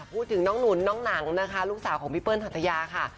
พูดถึงน้องหนุนน้องหนังนะคะลูกสาวของพี่เปิ้ลหัตยาค่ะ